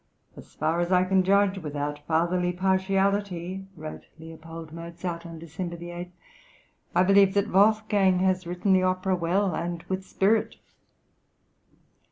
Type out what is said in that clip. "As far as I can judge, without fatherly partiality," wrote L. Mozart on December 8, "I believe that Wolfgang has written the opera well and with spirit."